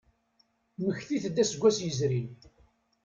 Mmektit-d aseggas yezrin.